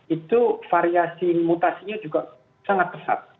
itu variasi mutasinya juga sangat pesat